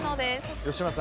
吉村さん